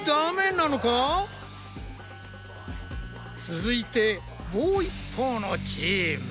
続いてもう一方のチーム。